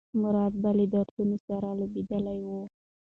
مراد به له دردونو سره لوبېدلی و.